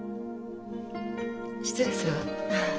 失礼するわ。